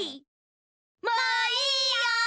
もういいよ！